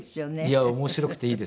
いや面白くていいですよ。